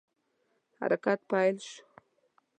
حرکت پیل شو.